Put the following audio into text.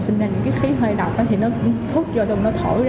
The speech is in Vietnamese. thì nó cũng hút vô rồi nó thổi ra là lan tỏa hết cả một cái căn phòng